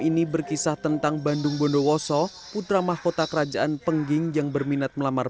ini berkisah tentang bandung bondowoso putra mahkota kerajaan pengging yang berminat melamar